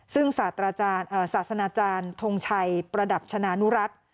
ซึ่งศาสนาอาจารย์ทงชัยประดับชนะนุรัติ